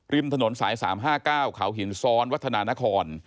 ถนนสาย๓๕๙เขาหินซ้อนวัฒนานคร